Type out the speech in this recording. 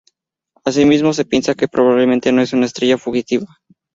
Asimismo, se piensa que probablemente no es una estrella fugitiva.